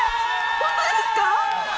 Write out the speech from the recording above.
本当ですか！